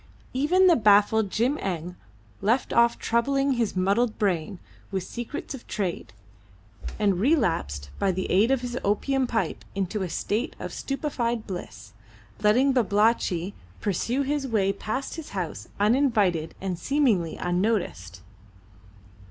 Even the baffled Jim Eng left off troubling his muddled brain with secrets of trade, and relapsed by the aid of his opium pipe into a state of stupefied bliss, letting Babalatchi pursue his way past his house uninvited and seemingly unnoticed.